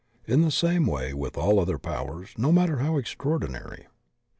In the same way with all other powers, no matter how extraordinary.